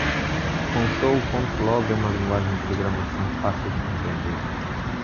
Console.log é uma linguagem de programação fácil de compreender.